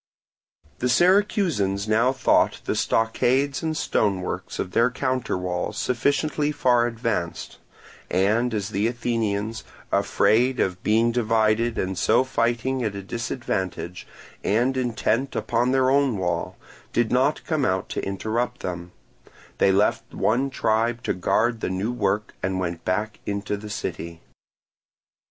The Syracusans now thought the stockades and stonework of their counterwall sufficiently far advanced; and as the Athenians, afraid of being divided and so fighting at a disadvantage, and intent upon their own wall, did not come out to interrupt them, they left one tribe to guard the new work and went back into the city.